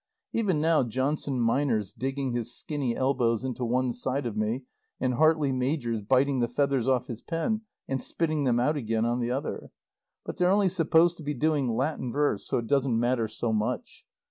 Even now Johnson minor's digging his skinny elbows into one side of me, and Hartley major's biting the feathers off his pen and spitting them out again on the other. But they're only supposed to be doing Latin verse, so it doesn't matter so much.